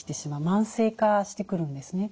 慢性化してくるんですね。